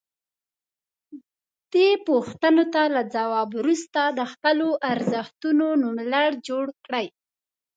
دې پوښتنو ته له ځواب وروسته د خپلو ارزښتونو نوملړ جوړ کړئ.